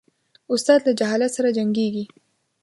استاد له جهالت سره جنګیږي.